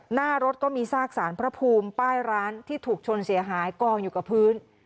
หน้ารถก็มีซากสารพระภูมิป้ายร้านที่ถูกชนเสียหายกองอยู่กับพื้น